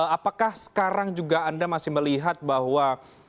apakah sekarang juga anda masih melihat bahwa